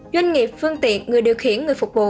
doanh nghiệp phương tiện người điều khiển người phục vụ